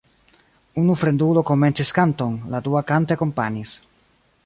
Unu fremdulo komencis kanton, la dua kante akompanis.